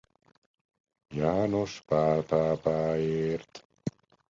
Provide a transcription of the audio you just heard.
János Pál pápáért.